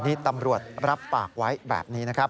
นี่ตำรวจรับปากไว้แบบนี้นะครับ